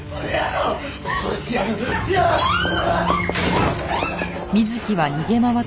うっ！